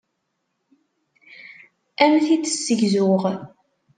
Ad am-t-id-ssegzuɣ.